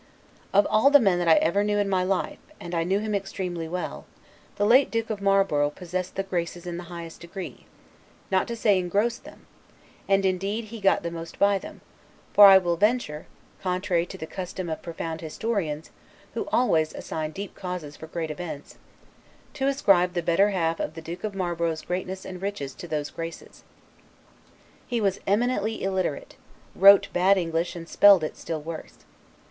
Of all the men that ever I knew in my life (and I knew him extremely well), the late Duke of Marlborough possessed the graces in the highest degree, not to say engrossed them; and indeed he got the most by them; for I will venture (contrary to the custom of profound historians, who always assign deep causes for great events), to ascribe the better half of the Duke of Marlborough's greatness and riches to those graces. He was eminently illiterate; wrote bad English and spelled it still worse.